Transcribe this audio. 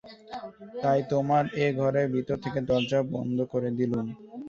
তাই তোমার এ-ঘরে ভিতর থেকে দরজা বন্ধ করে দিলুম।